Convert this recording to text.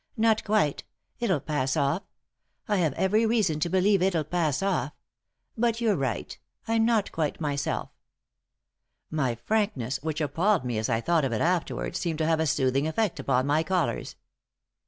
Not quite! It'll pass off. I have every reason to believe it'll pass off. But you're right. I'm not quite myself." My frankness, which appalled me as I thought of it afterward, seemed to have a soothing effect upon my callers.